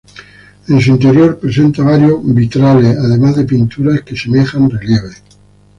En su interior presenta varios vitrales, además de pinturas que semejan relieves.